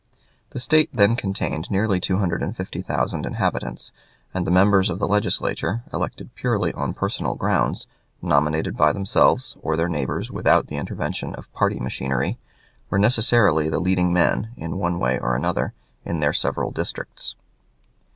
The State then contained nearly 250,000 inhabitants, and the members of the Legislature, elected purely on personal grounds, nominated by themselves or their neighbors without the intervention of party machinery, were necessarily the leading men, in one way or another, in their several districts.